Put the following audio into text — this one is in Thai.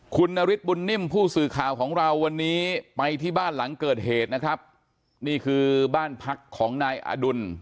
คุณนฤทธบุญนิ่มผู้สื่อข่าวของเราวันนี้ไปที่บ้านหลังเกิดเหตุนะครับนี่คือบ้านพักของนายอดุล